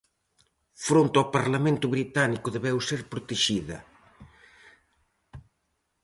Fronte ao parlamento británico debeu ser protexida.